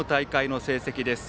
秋の大会の成績です。